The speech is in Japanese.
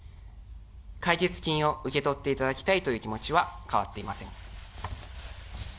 解決金を受け取っていただきたいという気持ちは変わっていません。